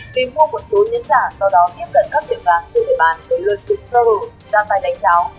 tìm vua một số nhân giả sau đó tiếp cận các kiểm soát trên địa bàn chối lừa dụng sơ hữu ra tay đánh cháu